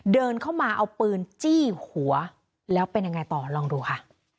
เดินเข้ามาเอาปืนจี้หัวแล้วเป็นยังไงต่อลองดูค่ะ